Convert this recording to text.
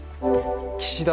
岸田